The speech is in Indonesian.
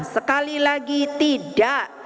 sekali lagi tidak